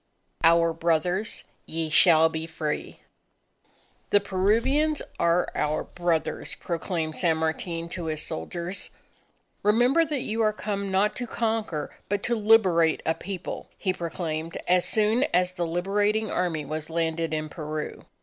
OUR BROTHERS, YE SHALL BE FREE! "The Peruvians are our brothers," proclaimed San Martin to his soldiers. "Remember that you are come not to conquer but to liberate a People!" he proclaimed as soon as the Liberating Army was landed in Peru.